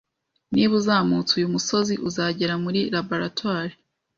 Niba uzamutse uyu musozi, uzagera muri laboratoire